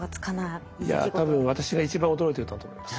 いや多分私が一番驚いてたと思います。